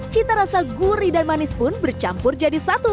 cita rasa gurih dan manis pun bercampur jadi satu